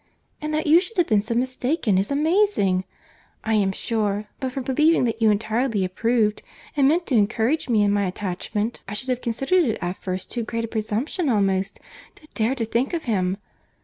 And that you should have been so mistaken, is amazing!—I am sure, but for believing that you entirely approved and meant to encourage me in my attachment, I should have considered it at first too great a presumption almost, to dare to think of him.